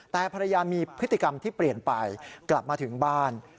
แต่ภรรยามีพฤติกรรมที่เปลี่ยนไปกลับมาถึงบ้าน